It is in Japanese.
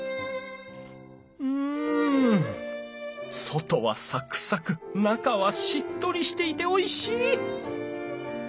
外はサクサク中はしっとりしていておいしい！